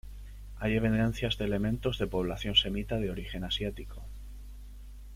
Hay evidencias de elementos de población semita, de origen asiático.